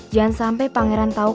jangan sampai pangeran tahu